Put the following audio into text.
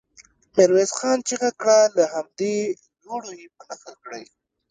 ميرويس خان چيغه کړه! له همدې لوړو يې په نښه کړئ.